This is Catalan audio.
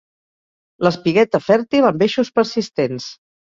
L'espigueta fèrtil amb eixos persistents.